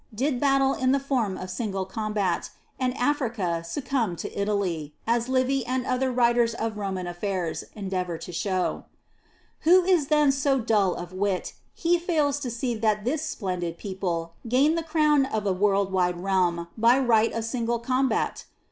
xi] DE MONARCHIA 1 13 battle in the form of single combat, and Africa succumbed to Italy, as Livy and other writers of Roman affairs endeavor to show. 6. Who is then so dull of wit he fails to see that this splendid people gained the crown of a world wide realm by right of single combat?